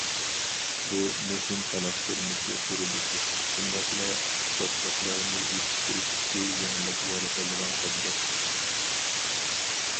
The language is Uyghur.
بۇ، مۇھىم خەلق تۇرمۇشى قۇرۇلۇشى، شۇنداقلا ئىختىساسلىقلارنى يېتىشتۈرۈشتىكى يېڭىلىق يارىتىلغان تەدبىر.